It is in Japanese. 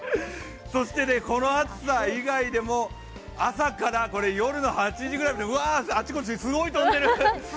そしてこの暑さ以外でも朝から夜の８時くらいまでわあちこちで、すごい飛んでる！